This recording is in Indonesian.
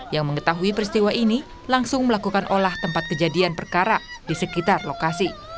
yang mengetahui peristiwa ini langsung melakukan olah tempat kejadian perkara di sekitar lokasi